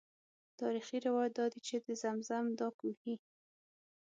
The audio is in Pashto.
تاریخي روایات دادي چې د زمزم دا کوهی.